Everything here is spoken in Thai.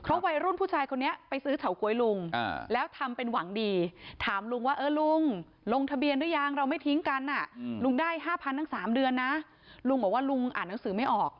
๓เดือนนะลุงบอกว่าลุงอ่านหนังสือไม่ออก